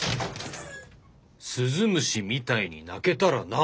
「鈴虫みたいに泣けたらな」。